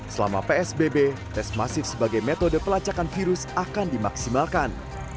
selama psbb tes masif sebagai metode pelacakan virus akan dimaksimalkan